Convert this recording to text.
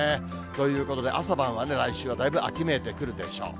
ということで、朝晩はね、来週はだいぶ、秋めいてくるでしょう。